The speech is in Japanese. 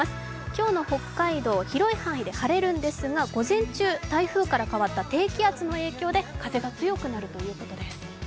今日の北海道、広い範囲で晴れるんですが午前中、台風から変わった低気圧の影響で風が強くなるということです。